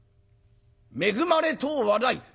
恵まれとうはない」。